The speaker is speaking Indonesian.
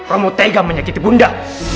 roma tega menyakiti bunda